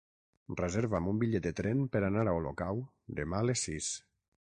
Reserva'm un bitllet de tren per anar a Olocau demà a les sis.